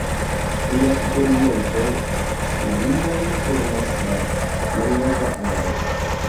En sudoriento la limon formas la Malnova Aro.